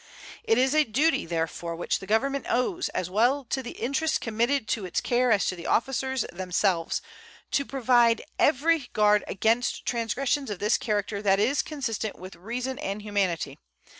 It is a duty, therefore, which the Government owes, as well to the interests committed to its care as to the officers themselves, to provide every guard against transgressions of this character that is consistent with reason and humanity.